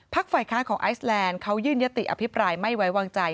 ฝ่ายค้านของไอซแลนด์เขายื่นยติอภิปรายไม่ไว้วางใจ